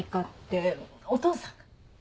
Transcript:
お父さんが。